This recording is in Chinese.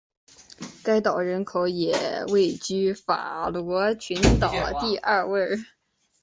该岛人口也位居法罗群岛第二位。